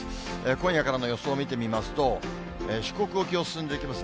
今夜からの予想を見てみますと、四国沖を進んでいきます